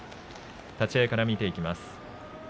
立ち合いから見ていきます。